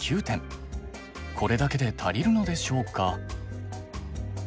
これだけで足りるのでしょうか？